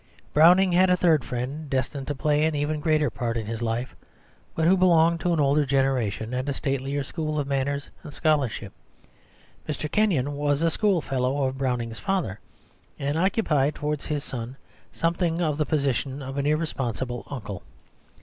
Browning had a third friend destined to play an even greater part in his life, but who belonged to an older generation and a statelier school of manners and scholarship. Mr. Kenyon was a schoolfellow of Browning's father, and occupied towards his son something of the position of an irresponsible uncle.